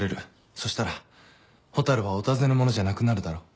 そしたら蛍はお尋ね者じゃなくなるだろ。